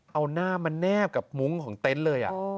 เอาหน้ามันแนบกับมุ้งของเต้นเลยอ่ะ